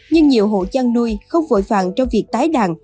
nhưng nhiều hộ chăn nuôi không vội vàng trong việc tái đàn